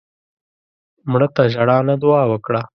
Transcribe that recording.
مړه ته ژړا نه، دعا وکړه